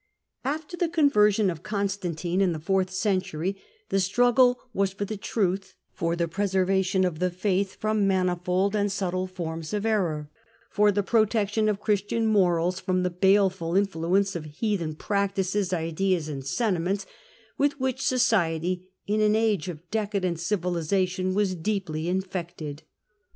a/f. B /y Digitized by VjOOQ IC 2 HiLDEBRAND After the conversion of Oonstantine in the fourth pentury the struggle was for the truth — for the preser vation of the faith from manifold and subtle forms of error, for the protection of Christian morals from the baleful influence of heathen practices, ideas, and senti ments with which society in an age of decadent civili sation was deeply infected.